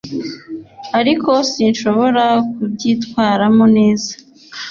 ariko sinshobora kubyitwaramo neza